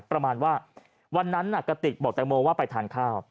ประมาณว่าวันนั้นกระติกบอกแตงโมว่าไปทานข้าว